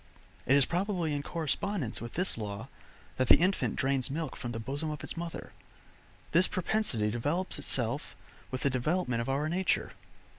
It is probably in correspondence with this law that the infant drains milk from the bosom of its mother; this propensity develops itself with the development of our nature.